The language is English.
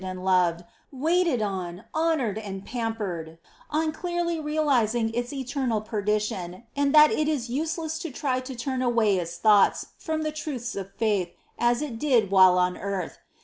and loved, waited on, honoured and pampered, on clearly realising its eternal perdition and that it is useless to try to turn away its thoughts from the truths of faith as it did while on earth.